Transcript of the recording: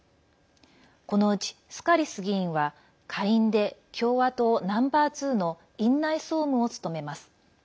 このうち、スカリス議員は下院で共和党ナンバーツーの院内総務を務めます。